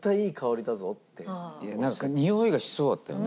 なんかにおいがしそうだったよね。